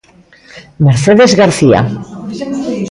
Mercedes García.